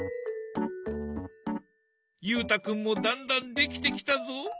裕太君もだんだんできてきたぞ。